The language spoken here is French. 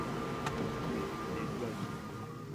Une journée, et une bonne!